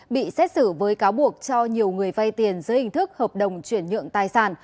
bị xét xử với cáo buộc cho nhiều người vay tiền dưới hình thức hợp đồng chuyển nhượng tài sản